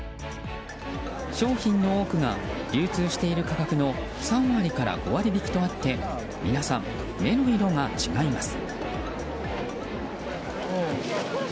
商品の多くが流通している価格の３割から５割引きとあって皆さん、目の色が違います。